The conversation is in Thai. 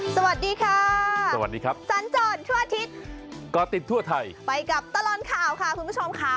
สวัสดีค่ะสวัสดีครับสัญจรทั่วอาทิตย์ก็ติดทั่วไทยไปกับตลอดข่าวค่ะคุณผู้ชมค่ะ